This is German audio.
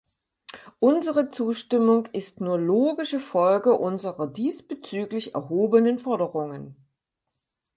Unsere Zustimmung ist nur logische Folge unserer diesbezüglich erhobenen Forderungen.